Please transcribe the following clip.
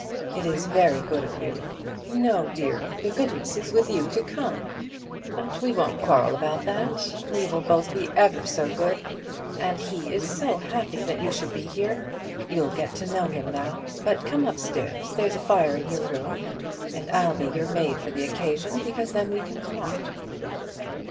"It is very good of you." "No, dear; the goodness is with you to come. But we won't quarrel about that. We will both be ever so good. And he is so happy that you should be here. You'll get to know him now. But come up stairs. There's a fire in your room, and I'll be your maid for the occasion, because then we can talk."